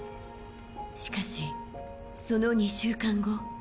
しかし、その２週間後。